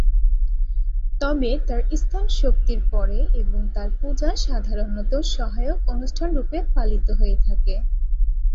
তবে তার স্থান শক্তির পরে এবং তার পূজা সাধারণত সহায়ক অনুষ্ঠান রূপে পালিত হয়ে থাকে।